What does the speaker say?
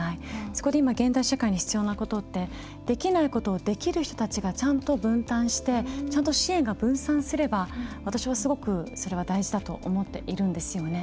そこで現代社会に必要なことってできないことをできる人たちがちゃんと分担して支援が分散すれば私はすごくそれは大事だと思っているんですよね。